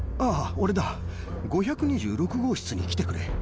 俺だ５２６号室に来てくれ。